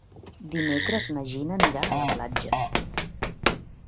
Dimecres na Gina anirà a la platja.